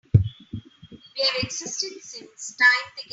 We've existed since time began.